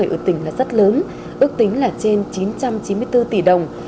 ước tính là rất lớn ước tính là trên chín trăm chín mươi bốn tỷ đồng